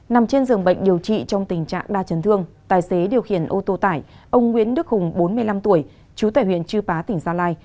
nằm trên giường bệnh điều trị trong tình trạng đa chấn thương tài xế điều khiển ô tô tải ông nguyễn đức hùng bốn mươi năm tuổi trú tại huyện chư pá tỉnh gia lai